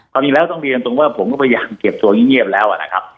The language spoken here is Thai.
จริงแล้วต้องเรียนตรงว่าผมก็พยายามเก็บตัวเงียบแล้วนะครับ